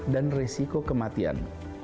dan risiko kematian